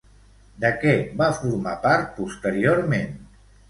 De què va formar part posteriorment?